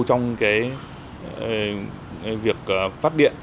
trong việc phát điện